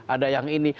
ada yang ini